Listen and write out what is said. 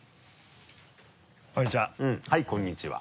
こんにちは。